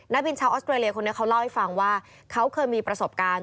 บินชาวออสเตรเลียคนนี้เขาเล่าให้ฟังว่าเขาเคยมีประสบการณ์